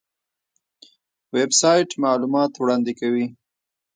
ویب سایټ معلومات وړاندې کوي